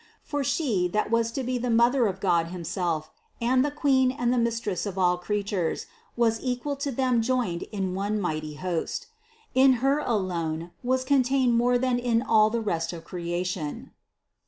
For She that was to be the Mother of God himself and the Queen and the Mistress of all creatures, was equal to them joined in one mighty host. In Her alone was contained more than in all the rest of creation.